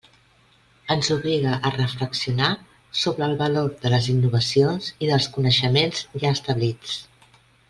Ens obliga a reflexionar sobre el valor de les innovacions i dels coneixements ja establits.